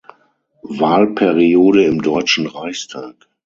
Wahlperiode im Deutschen Reichstag.